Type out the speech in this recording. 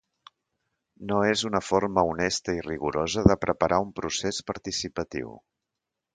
“No és una forma honesta i rigorosa de preparar un procés participatiu”.